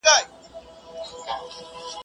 څوک د يوې شپږي له پاره بسته خورجين اور ته نه اچوي.